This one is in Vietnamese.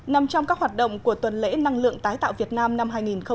nằm trong các hoạt động của tuần lễ năng lượng tái tạo việt nam năm hai nghìn hai mươi